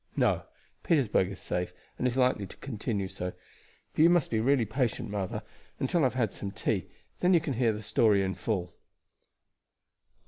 "No; Petersburg is safe, and is likely to continue so. But you must really be patient, mother, until I have had some tea, then you can hear the story in full."